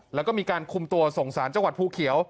แล้วก็มีการคุมตัวส่งสารจังหวัดภูเขียว